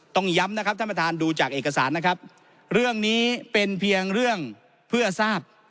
ต้องย้ำนะครับท่านประธานดูจากเอกสารนะครับเรื่องนี้เป็นเพียงเรื่องเพื่อทราบ